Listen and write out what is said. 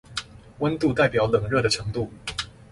溫度代表冷熱的程度